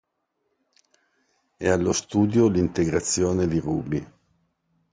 È allo studio l'integrazione di Ruby.